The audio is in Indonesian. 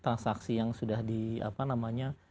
transaksi yang sudah di apa namanya